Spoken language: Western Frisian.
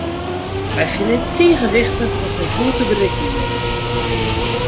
Wy fine it tige wichtich dat wy goed te berikken binne.